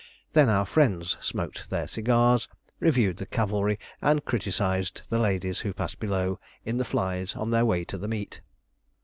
Then our friends smoked their cigars, reviewed the cavalry, and criticised the ladies who passed below in the flys on their way to the meet.